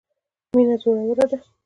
مینه زوروره ده.